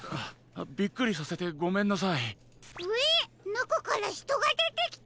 なかからひとがでてきた！